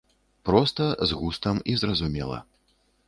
Проста, з густам і зразумела.